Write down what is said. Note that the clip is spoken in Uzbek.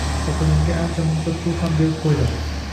Xotinimga ancha-muncha pul ham berib qo‘ydim